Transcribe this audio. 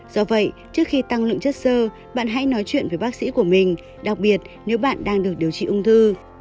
do vậy trước khi tăng lượng chất sơ bạn hãy nói chuyện với bác sĩ của mình đặc biệt nếu bạn đang được điều trị ung thư